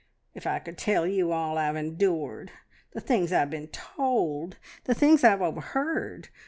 If I could tell you all I've endoored! The things I've been told! The things I've overheard!